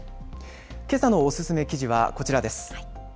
けさのおすすめ記事はこちらです。